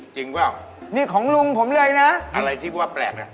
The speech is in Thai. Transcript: คนโดยไม้นี้นำเข้ามา